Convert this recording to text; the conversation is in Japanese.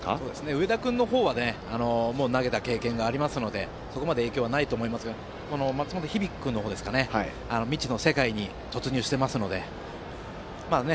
上田君の方は投げた経験がありますがそこまで影響はないと思いますが松延響君の方は未知の世界に突入してますのでね。